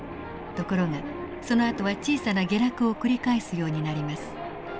ところがそのあとは小さな下落を繰り返すようになります。